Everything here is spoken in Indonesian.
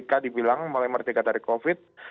ketika dibilang mulai merdeka dari covid